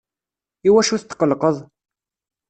Iwacu tetqllqeḍ?